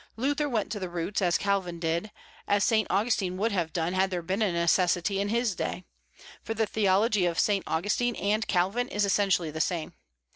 Luther went to the roots, as Calvin did; as Saint Augustine would have done had there been a necessity in his day, for the theology of Saint Augustine and Calvin is essentially the same.